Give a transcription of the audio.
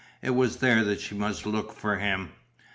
It was there that she must look for him.